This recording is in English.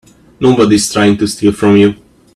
Nobody's trying to steal from you.